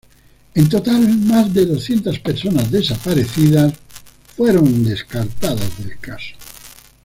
En total, más de doscientas personas desaparecidas fueron descartadas del caso.